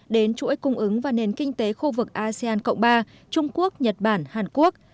đến chuỗi cung ứng và nền kinh tế khu vực asean cộng ba trung quốc nhật bản hàn quốc